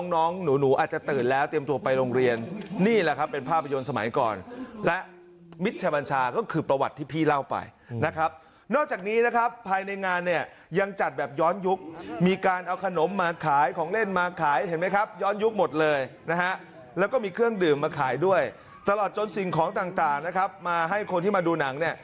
น้องหนูอาจจะตื่นแล้วเตรียมตัวไปโรงเรียนนี่แหละครับเป็นภาพยนตร์สมัยก่อนและมิชบัญชาก็คือประวัติที่พี่เล่าไปนะครับนอกจากนี้นะครับภายในงานเนี่ยยังจัดแบบย้อนยุคมีการเอาขนมมาขายของเล่นมาขายเห็นไหมครับย้อนยุคหมดเลยนะฮะแล้วก็มีเครื่องดื่มมาขายด้วยตลอดจนสิ่งของต่างนะครับมาให้คนที่มาดูหนังเนี่ย